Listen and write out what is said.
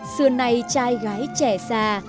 xưa nay trai gái trẻ già